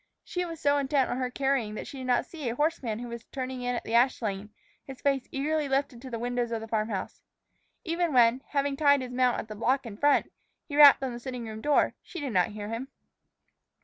She was so intent on her carrying that she did not see a horseman who was turning in at the ash lane, his face eagerly lifted to the windows of the farm house. Even when, having tied his mount at the block in front, he rapped on the sitting room door, she did not hear him.